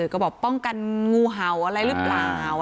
ก็บอกป้องกันงูเห่าอะไรหรือเปล่า